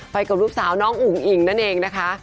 กับลูกสาวน้องอุ๋งอิ่งนั่นเองนะคะ